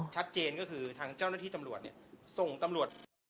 ชัดเจนก็คือทางเจ้าหน้าที่ตำรวจส่งตำรวจ